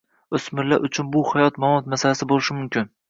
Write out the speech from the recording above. O‘smirlar uchun bu hayot-mamot masalasi bo‘lishi mumkin.